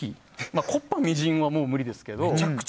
木っ端みじんは無理ですけども。